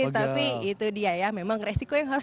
tapi itu dia ya memang resiko yang harus